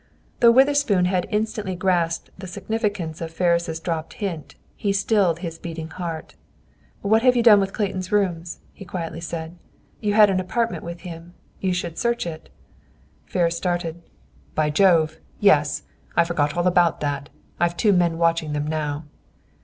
Though Witherspoon had instantly grasped the significance of Ferris' dropped hint, he stilled his beating heart. "What have you done with Clayton's rooms?" he quietly said. "You had an apartment with him. You should search it." Ferris started. "By Jove! Yes! I forgot all about that. I've two men watching them now."